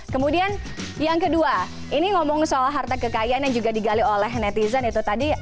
kemudian yang kedua ini ngomong soal harta kekayaan yang juga digali oleh netizen itu tadi